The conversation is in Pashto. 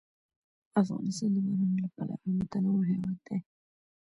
افغانستان د بارانونو له پلوه یو متنوع هېواد دی.